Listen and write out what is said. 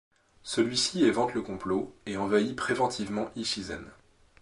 Celui-ci évente le complot, et envahit préventivement Ichizen.